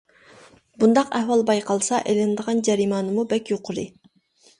بۇنداق ئەھۋال بايقالسا ئېلىنىدىغان جەرىمانىمۇ بەك يۇقىرى.